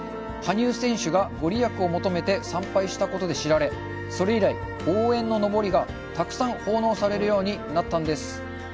羽生選手が、ご利益を求めて参拝したことで知られそれ以来、応援ののぼりがたくさん奉納されるようになったんです。